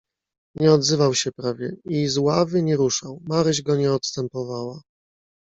"Nie odzywał się prawie i z ławy nie ruszał, Maryś go nie odstępowała."